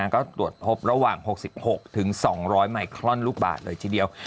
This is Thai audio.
ก็ตรวจพบระหว่าง๖๖๒๐๐ไมครอนลูกบาทเลยทีเดียว